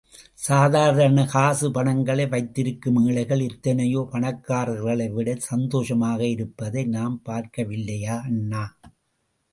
சாதாரண காசு பணங்களை வைத்திருக்கும் ஏழைகள், எத்தனையோ பணக்காரர்களை விடச் சந்தோஷமாக இருப்பதை நாம் பார்க்கவில்லையா அண்ணா!